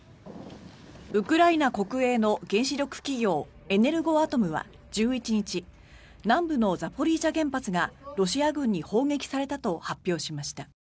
ウクライナ国営の原子力企業エネルゴアトムは１１日南部のザポリージャ原発がロシア軍に砲撃されたと発表しました。